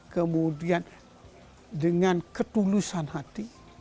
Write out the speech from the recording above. kemudian dengan ketulusan hati